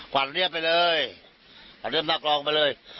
กว่าเรียบไปเลยอันเริ่มนักรองไปเลย